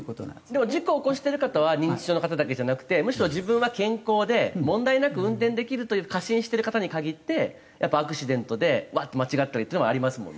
でも事故起こしてる方は認知症の方だけじゃなくてむしろ自分は健康で問題なく運転できると過信してる方に限ってやっぱアクシデントで「うわっ！」って間違ったりっていうのはありますもんね。